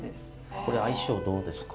これ相性どうですか？